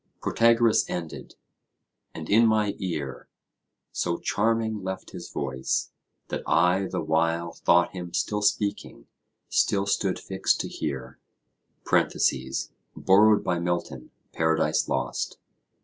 Protagoras ended, and in my ear 'So charming left his voice, that I the while Thought him still speaking; still stood fixed to hear (Borrowed by Milton, "Paradise Lost".).'